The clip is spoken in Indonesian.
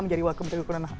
menjadi wakil menteri hukuman